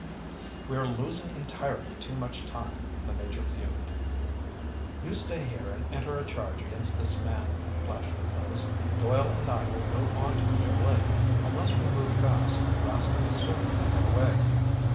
"We're losing entirely too much time!" the Major fumed. "You stay here and enter a charge against this man," Flash proposed. "Doyle and I will go on to Clear Lake. Unless we move fast, Rascomb is certain to get away."